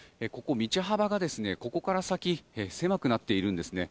道幅がここから先狭くなっているんですね。